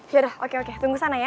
yaudah oke oke tunggu sana ya